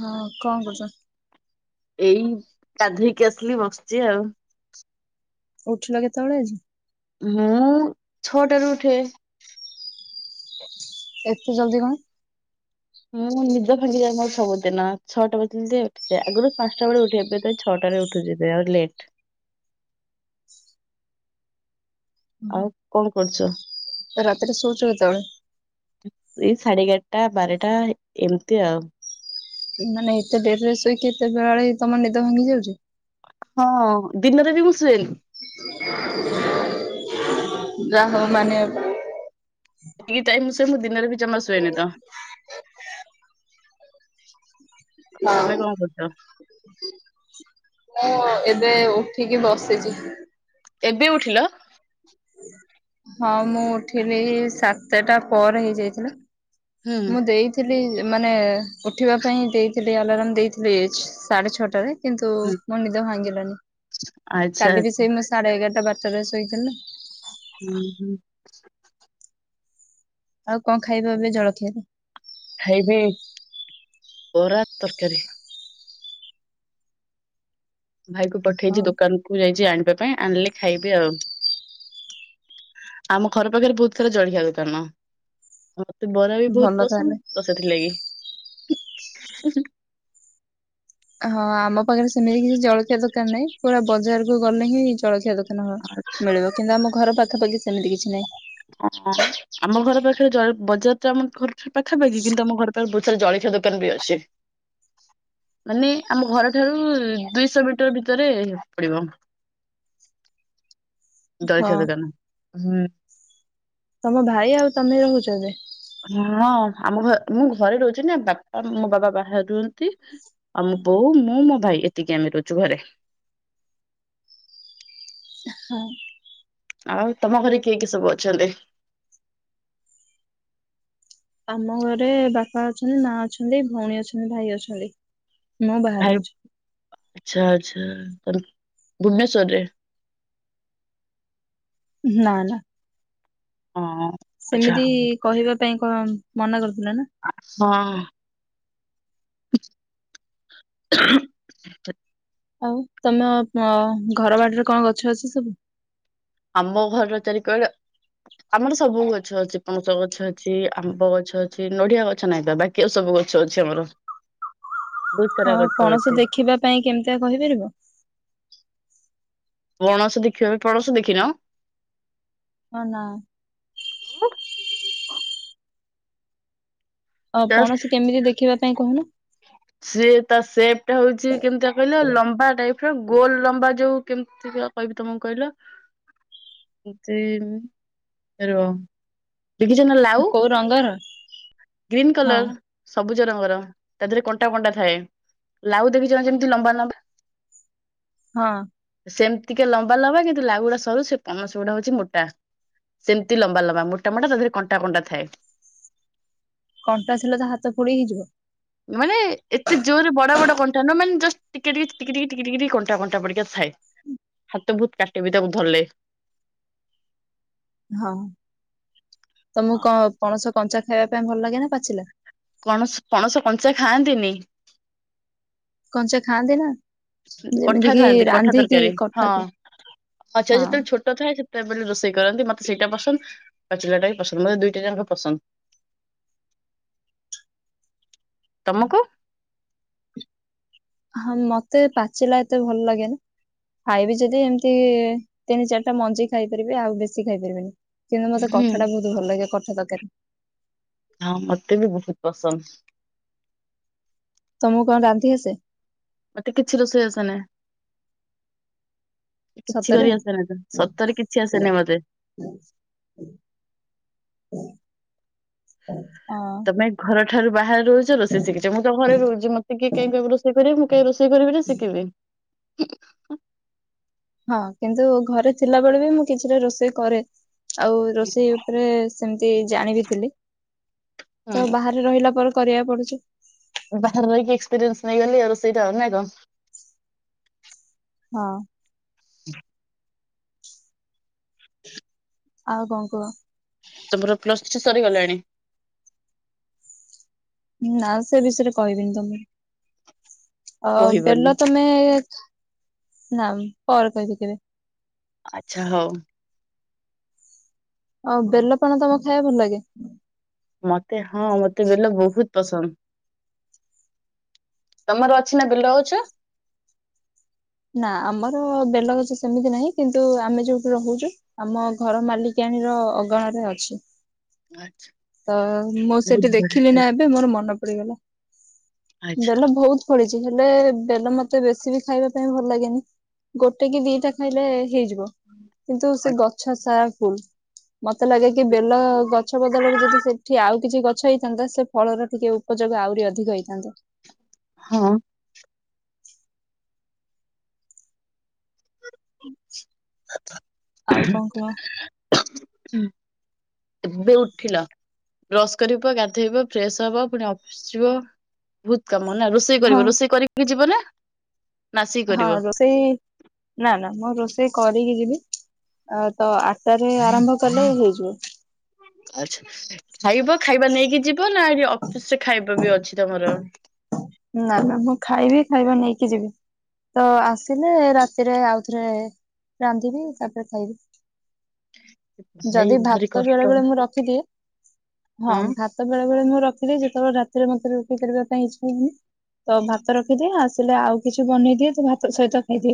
ହଁ କଣ କରୁଛ? ଏଇ ଗାଧେଇକି ଆସିଲି ବସିଛି ଆଉ। ଉଠିଲ କେତେବେଳେ ଆଜି। ମୁଁ ଛଅଟାରୁ ଉଠେ। ଏତେ ଜଲଦି କଣ। ମୁଁ ନିଦ ଭାଙ୍ଗିଯାଏ ମୋର ସବୁଦିନ ଛଅଟା ବାଜିଲେ ଉଠିଯାଏ ଆଗରୁ ପାଞ୍ଚଟା ବେଳେ ଉଠେ ଏବେ ତ ଏ ଛଅଟାରେ ଉଠୁଛି ଦେ ଆଉ ଲେଟ୍। ଆଉ ହୁଁ। କଣ କରୁଛ? ରାତିରେ ଶୋଉଛ କେତେବେଳେ? ଏଇ ସାଢେ ଏଗାରେଟା, ବାରେଟା ଏମିତି ଆଉ। ମାନେ ଏତେ ଡେରି ରେ ଶୋଇକି ଏତେ ବେଳା ବେଳି ତମ ନିଦ ଭାଙ୍ଗି ଯାଉଛି। ହଁ ଦିନରେ ବି ମୁଁ ଶୁଏନି। ଯାହାହଉ ମାନିବାକୁ ପ ଇଏ ଟାଇମି ସବୁ ମୁଁ ଦିନରେ ବି ଜମା ସୁଏନି ତ। ପଡିବ। ଆ ତମେ କଣ ହଁ କରୁଛ। ମୁଁ ଏବେ ଉଠିକି ବସିଛି। ଏବେ ଉଠିଲ। ହଁ ମୁଁ ଉଠିଲି ସାତଟା ପରେ ହେଇଯାଇଥିଲା। ହୁଁ ମୁଁ ଦେଇି ଥିଲି ମାନେ ଉଠିବା ପାଇଁ ଦେଇଥିଲି ଆଲାରାମ ଦେଇଥିଲି ସାଢେ ଛଅଟାରେ। କିନ୍ତୁ ହୁଁ ମୋ ନିଦ ଭାଙ୍ଗିଲାନି ଆଚ୍ଛା କାଲି ବି ଆଚ୍ଛା ସେଇ ମୁଁ ସାଢେ ଏଗାରଟା, ବାରଟା ରେ ଶୋଇଥିଲି। ଉଁ ହୁଁ। ଆଉ କଣ ଖାଇଥାନ୍ତେ ଜଳଖିଆରେ? ଖାଇବି ବରା, ତରକାରୀ। ଭାଇ କୁ ହଁ ପଠେଇଛି ଦୋକାନ କୁ ଯାଇଛି ଆଣିବା ପାଇଁ ଆଣିଲେ ଖାଇବି ଆଉ। ଆମ ଘର ପାଖରେ ବହୁତ ସାରା ଜଳଖିଆ ଦୋକାନ। ମତେ ବରା ବି ବହୁତ ଭଲ ତାହେଲେ। ପସନ୍ଦ ତ ସେଥିଲାଗି ହଁ ଆମ ପାଖରେ ସେମିତି କିଛି ଜଳଖିଆ ଦୋକାନ ନାହିଁ ପୁରା ବଜାରକୁ ଗଲେ ହିଁ ଜଳଖିଆ ଦୋକାନ। ହଁ ମିଳିବ କିନ୍ତୁ ଆମ ଘର ପାଖାପାଖି ସେମିତି କିଛି ନାହିଁ। ଅ ହଁ ଆମ ଘର ପାଖରେ ଜଳ ବଜାର ତ ଆମ ଘର ପାଖାପାଖି କିନ୍ତୁ ଆମ ଘର ବୁଝିଲ ଜଳଖିଆ ଦୋକାନ ବି ଅଛି। ମାନେ ଆମ ଘରଠାରୁ ଦୁଇଶହ ମିଟର ଭିତରେ ପଡିବ। ହଁ ଜଳଖିଆ ଦୋକାନ ହୁଁ। ତମ ଭାଇ ଆଉ ତମେ ରହୁଛ ଏବେ। ହଁ ଆମ ଘ ମୁଁ ଘରେ ରହୁଛି ନା ବାପା ମୋ ବାବା ବାହାରେ ରୁହନ୍ତି। ଆଉ ମୋ ବୋଉ ମୁଁ ମୋ ଭାଇ ଏତିକି ଆମେ ରହୁଛୁ ଘରେ। ହଁ। ଆଉ ତମ ଘରେ କିଏ କି ସବୁ ଅଛନ୍ତି? ଆମ ଘରେ ବାପା ଅଛନ୍ତି ମା ଅଛନ୍ତି ଭଉଣୀ ଅଛନ୍ତି ଭାଇ ଅଛନ୍ତି ମୁଁ ବାହାରେ ଭାଇ ରହୁଛି। ଆଚ୍ଛା ଆଛା ତ ଭୁବନେଶ୍ଵର ରେ। ନା ନା ହଁ ଆଚ୍ଛା ସେମିତି ହଉ। କହିବା ପାଇଁ କଣ ମନା କରୁଥିଲା ନା। ହଁ। ଆ [unintelligible] ଆଉ ତମ ଘର ବାଡିରେ କଣ ଗଛ ଅଛି ସବୁ। ଆମ ଘର ଚାରି କ ଆମର ସବୁ ଗଛ ଅଛି ପଣସ ଗଛ ଅଛି ଆମ୍ବ ଗଛ ଅଛି ନଡିଆ ଗଛ ନାଇଁ ବା କି ଆଉ ସବୁ ଗଛ ଅଛି ଆମର। ବହୁତ ସାରା ହଁ ଗଛ ପଣସ ଅଛି ଦେଖିବା ପାଇଁ କେମିତିଆ କହିପାରିବ। ପଣସ ଦେଖିବା କୁ ପଣସ ଦେଖିନ। ହଁ ନାଁ। ଆଉ ଜଷ୍ଟ ପଣସ କେମିତି ଦେଖିବା ପାଇଁ କହୁନ। ସିଏ ତା ସେପ ଟା ହଉଛି କେମିତିଆ କହିଲେ ଲମ୍ବା ଟାଇପ ର ଗୋଲ ଲମ୍ବା ଯୋଉ କେମିତି କହିବି ତମକୁ କହିଲ ଜୀମ ରହ ଦେଖିଛ ନା ଲାଉ କୋଉ ରଙ୍ଗର ଗ୍ରୀନ ହଁ କଲର। ସବୁଜ ରଙ୍ଗର ତା ଦେହରେ କଣ୍ଟ କଣ୍ଟା କଣ୍ଟା ଥାଏ ଲାଉ ଦେଖିଛ ଯେମିତି ଲମ୍ବା ଲମ୍ବା ହଁ। ସେମିତି କା ଲମ୍ବା ଲବା କିନ୍ତୁ ଲାଉ ଗୁଡା ସରୁ ସେ ପଣସ ଗୁଡା ହଉଛି ମୋଟା। ସେମିତି ଲମ୍ବା ଲମ୍ବା ମୋଟା ମୋଟା ତା ଦେହରେ କଣ୍ଟା କଣ୍ଟା ଥାଏ। କଣ୍ଟା ଥିଲେ ତ ହାତ ଫୋଡି ହେଇଯିବ। ମାନେ ଏତେ ଜୋରରେ ବଡ ବଡ କଣ୍ଟା ନ ମାନେ ଜଷ୍ଟ୍ ଟିକେ ଟେ ଟିକ ଟ ଟିକ କଣ୍ଟା କଣ୍ଟା ପଡିକା ଥାଏ। ହାତ ବହୁତ କାଟେ ବିି ତାକୁ ଧରିଲେ। ହଁ ତମକୁ କ ପଣସ କଞ୍ଚା ଖାଇବା ପାଇଁ ଭଲ ଲାଗେ ନା ପାଚିଲା। ପଣସ ପଣସ କଞ୍ଚା ଖାଆନ୍ତିନି। କଞ୍ଚା ଖାଆନ୍ତି ନା। ଯେମିତି କଠା କିି ଖାଆନ୍ତି କଠା ରାନ୍ଧିକି ତରକାରୀ ହଁ କଠାକୁ ଆଚ୍ଛା ହଁ। ଯେତେବେଳେ ଛୋଟ- ଥାଏ ସେତେବେଳେ ରୋଷେଇ କରନ୍ତି ମତେ ସେଇଟା ପସନ୍ଦ ପାଚିଲା ଟା ବି ପସନ୍ଦ ମତେ ଦୁଇଟା ଯାକ ପସନ୍ଦ। ତମକୁ। ହଁ ମତେ ପାଚିଲା ଏତେ ଭଲ ଲାଗେନ ଖାଇବି ଯଦି ଏମିତି ତିନି ଚାରିଟା ମଞ୍ଜି ଖାଇପାରିବି ଆଉ ବେଶୀ ଖାଇପାରିବିନି। କିନ୍ତୁ ମତେ ହୁଁ କଠା ଟା ବହୁତ ଭଲ ଲାଗେ କଠା ତରକାରି। ହଁ ମତେ ବି ବହୁତ ପସନ୍ଦ। ତମକୁ କଣ ରାନ୍ଧି ଆସ? ମତେ କିଛି ରୋଷେଇ ଆସ ନା। କିଛି ସତରେ କରି ଆସେନି ତ ସତରେ କିଛି ଆସେନି ମତେ। ହଁ। ତମେ ଘରଠାରୁ ବାହାରୁ - ରହୁଛ ରୋଷେଇ ସିଖିଚ ମୁଁ ତ ଘରେ ରହୁଛି ମତେ କିଏ କାଇଁ କହିବ ରୋଷେଇ କରିବାକୁ ମୁଁ କାଇଁ ରୋଷେଇ କରିବି ଯେ ଶିକିବି। ହୁଁ। [inaudible] ହଁ କିନ୍ତୁ ଘରେ ଥିଲାବେଳେ ବି ମୁଁ କିଛିଟା ରୋଷେଇ କରେ। ଆଉ ରୋଷେଇ ଉପରେ ସେମିତି ଜାଣିବି ଥିଲି ତ ବାହା- ରେ ରହିଲା ପରେ କରିବାକୁ ପଡୁଛି। ବାହାରେ ରହିକି ଏକ୍ସପିରିଏନ୍ସ ନେଇଗଲି ଆ ରୋଷେଇ ଟା ନା କଣ। ହଁ। ହଁ [unintelligible] ଆଉ କଣ କୁହ? ତମର ପ୍ଲସ [inaudible] ସରିଗଲାଣି। ନା ସେ ବିଷୟରେ କହିବିନି ତମକୁ ଆ ବେଲ କହିବନି ତ ତମେ ନା ମ ପରେ କହିବି କେବେ। ଆଚ୍ଛା ହଉ। ଆଉ ବେଲ ପଣା ତମକୁ ଖାଇବା ଭଲ ଲାଗେ। ମତେ ହଁ ମତେ ବେଲ ବହୁତ ପସନ୍ଦ। ତମର ଅଛି ନା ବେଲ ଗଛ। ନା ଆମର ବେଲଗଛ ସେମିତି ନାହିଁ କିନ୍ତୁ ଆମେ ଯୋଉଠି ରହୁଚୁ। ଆମ ଘର ମାଲିକାଣୀର ଅଗଣା ରେ ଅଛି। ଆଛା। ତ ମୁଁ ସେଠି ଦେଖିଲି ନା ଏବେ ମୋର ମନେ ପଡିଗଲା ଆଚ୍ଛା ବେଲ ବହୁତ ଫଳିଚି ହେଲେ ବେଲ ମତେ ବେଶୀ ବି ଖାଇବାକୁ ଭଲ ଲାଗେନି। ଗୋଟେ କି ଦିଟା ଖାଇଲେ ହେଇଯିବ। କିନ୍ତୁ ସେ ଗଛ ସାରା ଫୁଲ ମତେ ଲାଗେ କି ବେଲ ଗଛ ବଦଳରେ ଯ ସେ ଆଉ କିଛି ଗଛ ହେଇଥାନ୍ତା ସେ ଫଳର ଟିକେ ଉପଯୋଗ ଆହୁରି ଅଧିକ ହେଇଥାନ୍ତା। ହଁ। ହୁଁ [inaudible] [unintelligible] ଆଉ କଣ କୁହ? ହୁଁ ଏବେ ଉଠିଲ। ବ୍ରସ୍ କରିବ ଗାଧେଇବ ଫ୍ରେସ ହବ ପୁଣି ଅଫିସ ଯିବ ଭୁତ୍ କାମନା ରୋଷେଇ ହଁ କରିବ ରୋଷେଇ କରିକି ବି ଯିବ ନା। ନା ଆସିକି ହଁ କରିବ? ରୋଷେଇ ନା ନା ମୁଁ ରୋଷେଇ କରିକି ଯିବି। ଆ ତ ଆଟାରେ ଆରମ୍ଭ କଲେ ହେଇଯିବ। ଆଛା ଖାଇବ ଖାଇବା ନେଇକି ଯିବ ନା ଏଠି ଅଫିସ ରେ ଖାଇବା ବି ଅଛି ତମର। ନା ନା ମୁଁ ଖାଇବି ଖାଇବା ନେଇକି ଯିବି। ତ ଆସିଲେ ରାତିରେ ଆଉଥରେ ରାନ୍ଧିବି ତାପରେ ଖାଇବି। ଭାଇ ଯଦି ଭାରି ଭାତ ବେଳେ କଷ୍ଟ ବେଳେ ମୁଁ ର ଖିଦିଏ ହଁ ଭାତ ବେଳେ ବଳେ ମୁଁ ର ଦିଏ ଯେତେବେଳେ ରାତିରେ ମତେ ରୁଟି କରିବା ପାଇଁ ଇଚ୍ଛା ହୁଏ। ତ ଭାତ ରଖିଦିଏ ଆସିଲେ ଆଉ କିଛି ବନେଇଦିଏ ତ ଭାତ ସହିତ ଖାଇଦିଏ।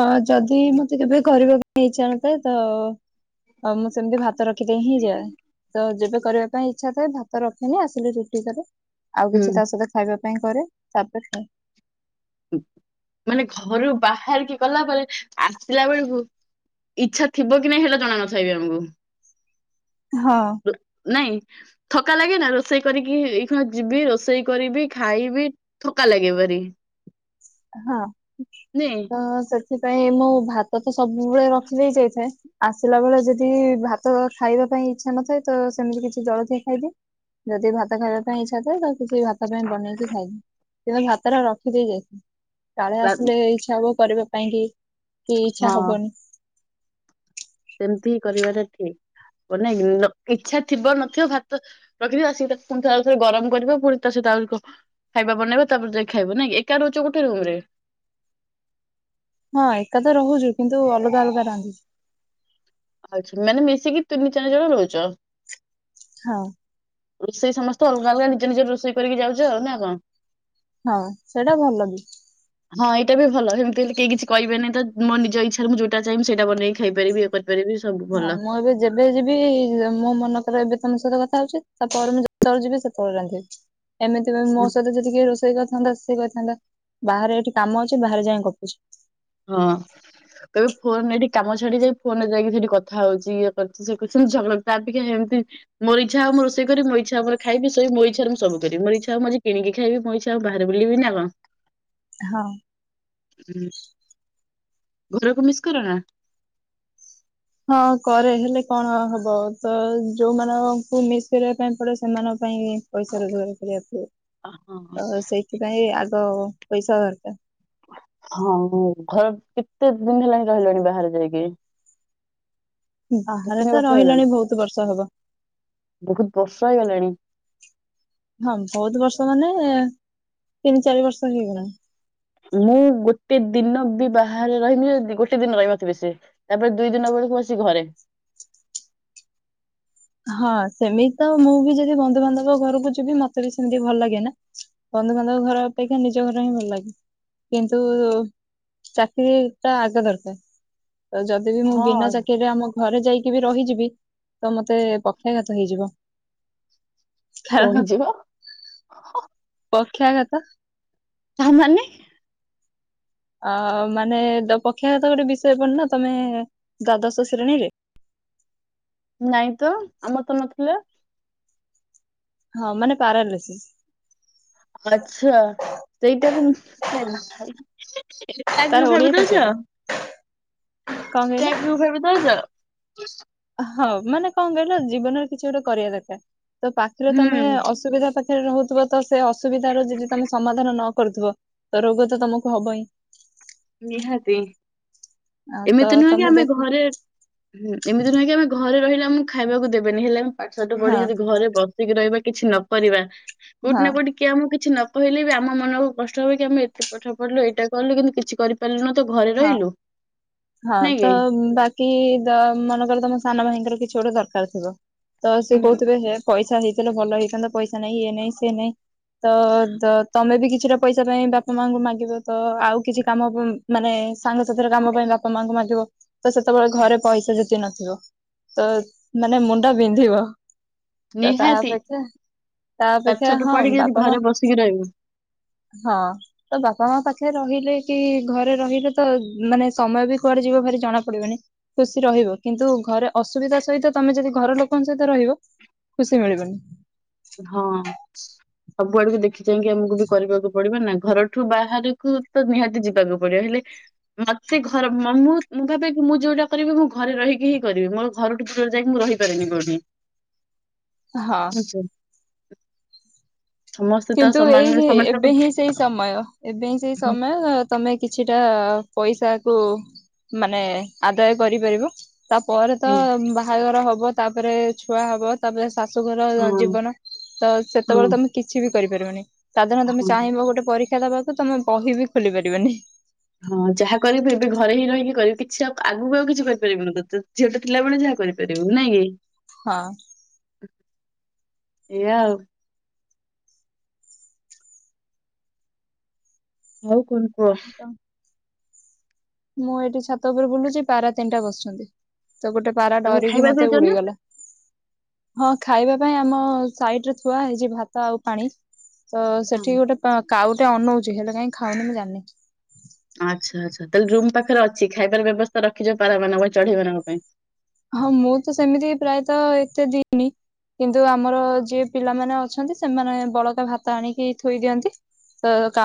ହଁ ଯଦି ମତେ କେବେ କରିବାକୁ ଇଚ୍ଛା ନଥାଏ ତ ଆଉ ମୁଁ ସେମିତି ଭାତ ରଖିଦେଇ ହିଁ ଯାଏ। ତ ଯେବେ କରିବା ପାଇଁ ଇଚ୍ଛା ଥାଏ ଭାତ ରଖେନି ଆସିଲେ ରୁଟି କରେ। ଆଉ ହୁଁ କିଛି ତା ସହିତ ଖାଇବା ପାଇଁ କରେ ତାପରେ ମାନେ ଘରୁ ବାହାରିକି ଗଲା ପରେ ଆସିଲା ବେଳକୁ ଇଚ୍ଛା ଥିବ କି ନାଇଁ ହେଲା ଜନଥାଇବି ଆମକୁ। ହଁ। ନାଇଁ ଥକା ଲାଗେ ନା ରୋଷେଇ କରିକି ଏଇ କିଣା ଯିବି ରୋଷେଇ କରିବି ଖାଇବି ଥକା ଲାଗେ ଭାରି। ହଁ। ନେ ହ ସେଥିପାଇଁ ମୁଁ ଭାତ ତ ସବୁବେଳେ ରଖିଦେଇ ଯାଇଥାଏ। ଆସିଲା ବେଳେ ଯଦି ଭାତ ଖାଇବା ପାଇଁ ଇଚ୍ଛା ନଥାଏ ତ ସେମିତି କିଛି ଜଳଖିଆ ଖାଇଦିଏ। ଯଦି ଭାତ ଖାଇବା ପାଇଁ ଇଚ୍ଛା ଥାଏ ତ କିଛି ଭାତ ପାଇଁ ବନେଇକି ଖାଇବି କିୁ ଭାତଟା ରଖିଦେଇ ଯାଇଛି। କାଳେ ଲା- ଆସିଲେ ଇଚ୍ଛା ହବ କରିବା ପାଇଁ କି କି ଇଚ୍ଛା ହଁ ହବନି। ସେମିତି ହିଁ କରିବାଟା ଠିକ ମାନେ ଇଚ୍ଛା ଥିବ ନଥିବ ଭାତ। ରଖି ଆସିକି ପଥଥରେ ଗରମ କରିବା ପୁଣି ତା ସହିତ ଖାଇବା ବନେଇବା ତାପରେ ଦେଖ ଖାଇବ ନାଇଁ କି ଏକା ରୁ ଗୋଟେ ରୁମ ରେ ହଁ ଏକା ତ ରହୁଛୁ କିନ୍ତୁ ଅଲଗା ଅଲଗା ରାନ୍ଧୁଛୁ। ଆଛା ମାନେ ମିଶିକି ତିନି ଚାରି ଜଣ ରହୁଛ। ହଁ। ରୋଷେଇ ସମସ୍ତେ ଅଲଗା ଅଲଗା ନିଜ ନିଜ ରୋଷେଇ କରିକି ଯାଉଛ ଆଉ ନା କଣ? ହଁ ସେଇଟା ଭଲ କି। ହଁ ଏଇଟା ଭଲ ସେମିତି ହେଲେ କେହି କିଛିି କହିବେନି ତ ମୋ ନିଜ ଇଚ୍ଛାରେ ମୁଁ ଯୋଉଟା ଚାହିଁବି ବନେଇକ ଖାଇପାରିବି ଇଏ ବି ସବୁ ହଁ ଭଲ ମୁଁ ଏବେ ଯେବେ ଯିବି ମୋ ମନଥରେ ଏବେ ତମ ସହିତ କଥା ହଉଛି ତାପରେ ମୁଁ ଯେତେବେଳେ ଯିବି ସେତେବେଳେ ରାନ୍ଧିବି। ଏମିତି ବି ମୋ ସହିତ ରୋଷେଇ କରିଥାନ୍ତା ସେ କହିଥାନ୍ତା ବାହାରେ ଏଠି କାମ ଅଛି ବାହାରେ ଯାଇ କରୁଛି। ହଁ। ତବେ ଫୋନ ରେ ଏଠି କାମ ଛାଡି ଯାଇ ଫୋନ ରେ ଯାଇକ ସେଠି କଥା ହଉ ଇଏ କରିଛି ସେଛନ୍ତି ଝଗଡ଼ ତା ଅପେକ୍ଷା ଏମିତି ମରିଚଛା ଆ ମୁଁ ରୋଷେଇ କରି ମଇ ଛ ଆର ଖାଇବିଇ ା ମୁଁ ସବୁି ମରି ଛ ଆ ମୁ ଆଜି କିଣି ଖାଇବି ମ ଆଉ ବାହାରେ ବୁଲିବି ନା କଣ? ହଁ। ହୁଁ। ଘରକୁ ମିସ୍ କର ନା। ହଁ କରେ ହେଲେ କଣ ହବ ତ ଯୋଉମାନଙ୍କୁ ମିସ୍ କରିବା ପାଇଁ ପଡେ ସେମାନଙ୍କ ପାଇଁ ପଇସା ରୋଜଗାର କରିବାକୁ ସେଇଥିପାଇଁ ଆଗ ପଇସା ଦରକାର। ହଁ ଘର କେତେ ଦିନ ହେଲାଣିି ରହିଲାଣି ବାହାରେ ଯାଇକି। ଦି ବାହାରେ ତିନି ତ ବର୍ଷ ହେଲାଣି ରହିଲାଣି ବହୁତ ବର୍ଷ ହବ। ବହୁତ ବର୍ଷ ହେଇଗଲାଣି। ହଁ ବହୁତ ବର୍ଷ ମାନେ ତିନି ଚାରି ବର୍ଷ ହେଇଗଲାଣି। ମୁଁ ଗୋଟେ ଦିନ ବି ବାହାରେ ରହିବି ଗୋଟେ ଦିନ ରହିବଥିବ ସେ ତାପରେ ଦୁଇ ଦିନ ବେଳକୁ ମୁଁ ଆସି ଘରେ। ହଁ ସେମିତି ତ ମୁଁ ବି ଯଦି ବନ୍ଧୁବାନ୍ଧବ ଘରକୁ ଯିବି ମତେ ବି ସେମିତି ଭଲ ଲାଗେ ନା। ବନ୍ଧୁବାନ୍ଧବ ଘର ଅପେକ୍ଷା ନିଜ ଘର ହିଁ ଭଲ ଲାଗେ। କିନ୍ତୁ ଚାକିରି ଟା ଆଗ ଦରକାର ତ ଯ ଯ ମୁଁ ହଁ ବିନା ଚାକିରିରେ ଆମ ଘରେ ଯାଇକି ବି ରହିଯିବି ତ ମତେ ପକ୍ଷାଘାତ ହେଇଯିବ। [inaudible] କହିଯିବ ପକ୍ଷାଘାତ ତାହା ମାନେ ଅ ମାନେ ପକ୍ଷାଘାତ ଗୋଟେ ବିଷୟ ପଡ ନା ତମେ ଦ୍ଵାଦଶ ଶ୍ରେଣୀରେ ନାଇଁ ତ ଆମର ତ ନଥିଲା। ହଁ ମାନେ ପାରାଲେଶିସ୍। ଆଛା ସେଇଟା ବି। ତାର ଓଡିଆ ତ ସେଇଟା କଣ କହିଲ? [unintelligible] ହଁ ମାନେ କଣ କହିଲ ଜୀବନରେ କିଛି ଗୋଟେ କରିବା ଦରକାର ତ ପାଖରେ ହୁଁ ତମେ ଅସୁବିଧା ପାଖ ରହୁଥିବ ତ ସେ ଅସୁବିଧ ର ଯଦି ତମେ ସମାଧାନ ନ କରୁଥିବ ତ ରୋଗ ତ ତମକୁ ହବ ହିଁ। ନିହାତି ଆଉ ତ ଏମିତି ନୁହଁ କି ତମେ ଆମେ ଦେଖ ଘରେ ହୁଁ ଏମିତି ନୁହଁ କି ଆମେ ଘରେ ରହିଲେ ଆମକୁ ଖାଇବାକୁ ଦେବେନି ହେଲେ ଆମେ ଯଦି ପାଠଶାଠ ହଁ ପଢ଼ିକି ଯଦି ଘରେ ବ ବସିକି ରହିବା କିଛି ନକରିବା କୋଉଠି ହଁ ନା କୋଉଠି କି ଆମ କୁ କିଛି ନ କହିଲେ ବି ଆମ ମନକୁ କଷ୍ଟ ହବ କି ଆମେ ଏତେ ପାଠ ପଢିଲୁ ଏଇଟା କଲୁ କିନ୍ତୁ କିଛି [unintelligible] ତୁ ଘରେ ହଁ ରହିଲୁ। ହଁ ନାଇଁ ତ କି? ବାକି ଦ ମନେକର ତମ ସାନ ଭାଇଙ୍କର କିଛି ଗୋଟେ ଦରକାର୍ ଥିବ। ତ ସେ କହୁଥିବେ ହେ ପଇସା ହେଇଥିଲେ ଭଲ ହେଇଥାନ୍ତା ପଇସା ନାହିଁ ଏ ନାଇଁ ସେ ନାହିଁ ତ ଦ ତମେ ବି କିଛିଟା ପଇସା ପାଇଁ ବାପା ମାଙ୍କୁ ମାଗିବ ତ ଆଉ କିଛି କାମ ମାନେ ସାଙ୍ଗସାଥିର କାମ ପାଇଁ ବା ବାପା ମାଆଙ୍କୁ ମାରିବ ତ ସେତେବେଳେ ଘରେ ପଇସା ଯେତିକି ନଥିବ ତ ମାନେ ମୁଣ୍ଡ ବିନ୍ଧିବ। ତ ତା ନିହାତି ଅପେକ୍ଷା ତା ଅପେକ୍ଷା ପାଠଶାଠ ହଁ ପଢିକି ଯଦି ବାପା ଘରେ ମା ବସିକି ରହିବୁ ହଁ। ତ ବାପା ମା ପାଖରେ ରହିଲେ କି ଘରେ ରହିଲେ ତ ମାନେ ସମୟ ବି କୁଆଡେ ଯିବ ଭାରି ଜଣା ପଡିବନି। ଖୁସି ରହିବ କିନ୍ତୁ ଘରେ ଅସୁବିଧା ସହିତ ତମେ ଯଦି ଘର ଲୋକଙ୍କ ସହିତ ରହିବ ଖୁସି ମିଳିବନି। ହଁ ସବୁଆଡକୁ ଦେଖି ଚାଇକି ଆମକୁ ବି କରିବାକୁ ପଡିବ ନା ଘର ଏଠୁ ବାହାରକୁ ତ ନିହାତି ଯିବାକୁ ପଡିବ ହେଲେ ମତେ ଘର ମୋ ମୁଁ ଭାବେ ମୁଁ ଯୋଉଟା କରିବି ମୁଁ ଘରେ ରହିକି ହିଁ କରିବି ମୋ ଘର ଠୁ ଦୁରକୁ ଯାଇକି ମୁଁ ରହିପାରେନି କଉଠି। ହଁ। ସମସ୍ତେ ତ କିନ୍ତୁ ସମାନରେ ଏଇ ଏବେ ସମସ୍ତଙ୍କ ହିଁ ସେଇ ସମୟ ଏବେ ହିଁ ସେଇ ସମୟ ତମେ କିଛିଟା ପଇସା କୁ ମାନେ ଆଦାୟ କରିପାରିବ ତାପରେ ତ ହଁ ବାହାଘର ହବ ତାପରେ ଛୁଆ ହବ। ତାପରେ ଶାଶୁଘର ହଁ ଜୀବନ ତ ହଁ ସେତେବେଳେ ତମେ କିଛି ବି କରିପାରିବନି। ସାଧାରଣ ତମେ ହଁ। ଚାହିଁବ ଗୋଟେ ପରୀକ୍ଷା ଦବାକୁ ତମେ ବହି ବିି ଖୋଲି ପାରିବନି। ହଁ ଯାହା କରିବି ଏବେ ଘରେ ହିଁ ରହିକି କରିବି କିଛି ଆଉ ଆଗକୁ ଆଉ କିଛି କରିପାରିବିନ ତ ଝିଅଟେ ଥିଲାବେଳେ ଯହା କରିବୁ କରିପାରିବୁ ନାକି। ହଁ। ଏଇଆ ଆଉ। ଆଉ କଣ କୁହ? ହଁ। ମୁଁ ଏଇଠି ଛାତ ଉପରେ ବୁଲୁଛି ପାରା ତିନିଟା ବସୁଛନ୍ତି ତ ଗୋଟେ ପାରା ତମକୁ ଡରିକି ଖାଇବା ମତେ ଦେଇଛ ନା? ଉଡିଗଲା। ହଁ ଖାଇବା ପାଇଁ ଆମ ସାଇଟ୍ ରେ ଥୁଆ ହେଇଛି ଭାତ ଆଉ ପାଣି। ତ ହଁ ସେଠି ଗୋଟେ ପା କାଉଟେ ଅନଉଛି ହେଲେ କାଇ ଖାଉନି ମୁଁ ଜାଣିନି। ଆଚ୍ଛା ଆଚ୍ଛା ତାହେଲେ ଜୁମ୍ ପାଖରେ ଅଛି ଖାଇବାର ବ୍ୟବସ୍ଥା ରଖିଚ ପାରା ମାନଙ୍କ ଚଢେଇ ମାନଙ୍କ ପାଇଁ? ହଁ ମୁଁ ତ ସେମିତି ପ୍ରାୟତ ଏତେ ଦିନି କିନ୍ତୁ ଆମର ଯିଏ ପିଲାମାନେ ଅଛନ୍ତି ସେମାନେ ବଳକା ଭାତ ଆଣିକି ଥୋଇ ଦିଅନ୍ତି। ତ କା